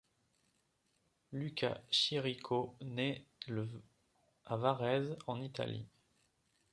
Luca Chirico naît le à Varèse en Italie.